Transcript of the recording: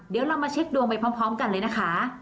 เดี๋ยวเรามาเช็คดวงไปพร้อมกันเลยนะคะ